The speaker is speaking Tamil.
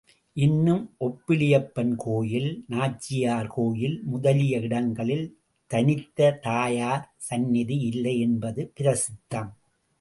இன்னும் ஒப்பிலியப்பன் கோயில், நாச்சியார் கோயில் முதலிய இடங்களில் தனித்த தாயார் சந்நிதி இல்லை என்பது பிரசித்தம்.